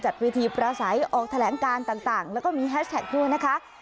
จัดเวทีประสัยออกแถลงการต่างแล้วก็มีแฮชแท็กด้วยนะคะ